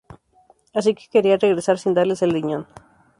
Así que quería regresar sin darles el riñón.